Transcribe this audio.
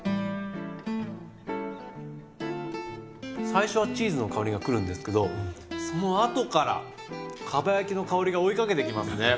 最初はチーズの香りがくるんですけどそのあとからかば焼きの香りが追いかけてきますね。